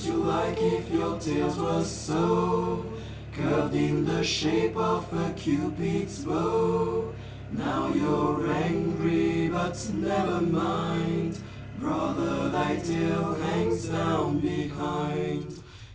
Wouldn't you like if your tails were so Curved in the shape of a Cupid's bow? Now you're angry, but never mind, Brother, thy tail hangs down behind!